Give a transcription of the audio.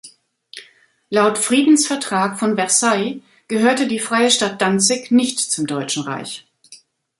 Laut Friedensvertrag von Versailles gehörte die Freie Stadt Danzig nicht zum Deutschen Reich.